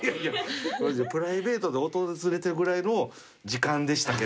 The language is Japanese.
マジでプライベートで訪れてるぐらいの時間でしたけど。